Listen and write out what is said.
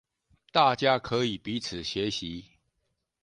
大家可以彼此學習